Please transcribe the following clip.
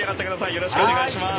よろしくお願いします。